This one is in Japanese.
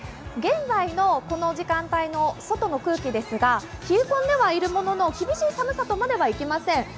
現在のこの時間帯の外の空気ですが、冷え込んではいるものの、厳しい寒さとまではいきません。